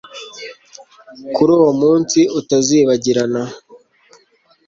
kuri uwo munsi utazibagirana.